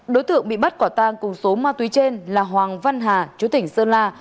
đối tượng bị bắt quả tang cùng số ma túy trên là hoàng văn hà chú tỉnh sơn la